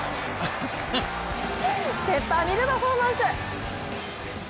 ペッパーミルパフォーマンス。